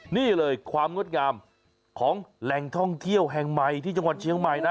นี่เลยความงดงามของแหล่งท่องเที่ยวแห่งใหม่ที่จังหวัดเชียงใหม่นะ